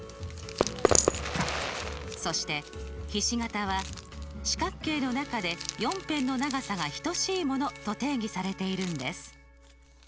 そしてひし形は「四角形の中で４辺の長さが等しいもの」と定義されているんです。